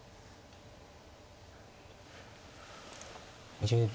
２０秒。